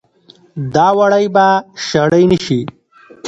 دا وړۍ به شړۍ نه شي